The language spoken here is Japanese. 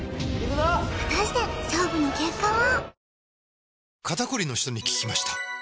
果たして勝負の結果は？